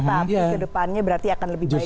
tapi kedepannya berarti akan lebih baik